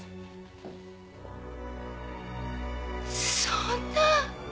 そんな。